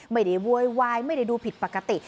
ไม่ได้เวยวายไม่ได้ดูผิดปกติ